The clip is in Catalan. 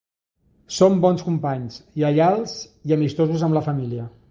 Són bons companys, lleials i amistosos amb la família.